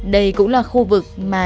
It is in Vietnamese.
đây cũng là khu vực mà